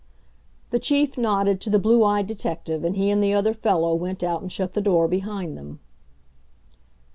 The Chief nodded to the blue eyed detective, and he and the other fellow went out and shut the door behind them.